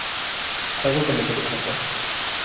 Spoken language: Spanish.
Algo que me preocupa.